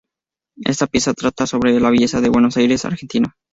Esta pieza trata sobre la belleza de Buenos Aires, Argentina.